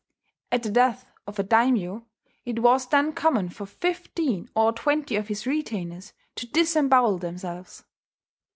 At the death of a daimyo it was then common for fifteen or twenty of his retainers to disembowel themselves.